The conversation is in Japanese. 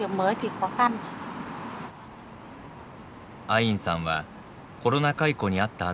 アインさんはコロナ解雇に遭った